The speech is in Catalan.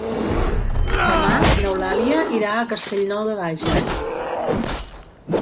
Demà n'Eulàlia irà a Castellnou de Bages.